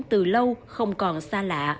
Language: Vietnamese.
từ lâu không còn xa lạ